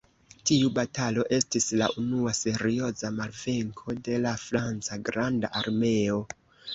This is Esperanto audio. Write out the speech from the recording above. Tiu batalo estis la unua serioza malvenko de la franca "granda armeo".